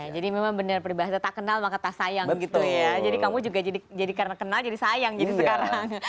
jadi memang bener perbahasa tak kenal maka tak sayang gitu ya jadi kamu juga jadi karena kenal jadi sayang gitu sekarang